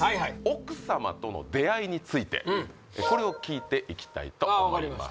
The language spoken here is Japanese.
奥様との出会いについてこれを聞いていきたいと思います